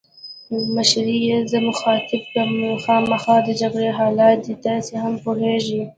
مشرې یې زه مخاطب کړم: خامخا د جګړې حالات دي، تاسي هم پوهېږئ.